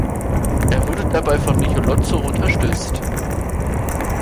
Er wurde dabei von Michelozzo unterstützt.